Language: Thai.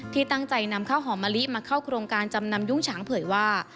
ที่ตั้งใจนำข้าวหอมมะลิมาเข้าโครงการจำนำยุ้งฉางเผยว่า